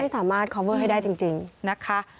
สามารถคอมเวอร์ให้ได้จริงนะคะ